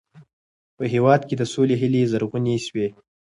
په هېواد کې د سولې هیلې زرغونې سوې.